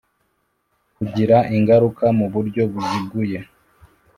kigira ingaruka mu buryo buziguye